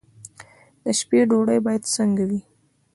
د شپې ډوډۍ باید څنګه وي؟